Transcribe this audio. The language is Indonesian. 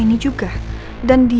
terima kasih sudah nonton